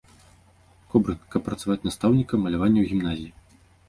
Кобрын, каб працаваць настаўнікам малявання ў гімназіі.